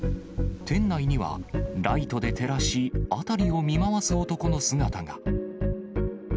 店内にはライトで照らし、辺りを見回す男の姿が。